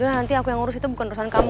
nanti aku yang urus itu bukan urusan kamu